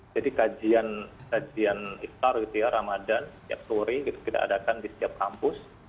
jadi kajian istar gitu ya ramadhan setiap sore gitu kita adakan di setiap kampus